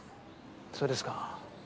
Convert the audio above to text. そうですか。